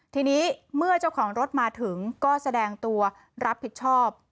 ทีนี้เมื่อเจ้าของรถมาถึงก็แสดงตัวรับผิดชอบ